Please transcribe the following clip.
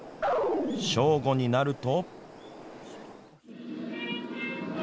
正午になると。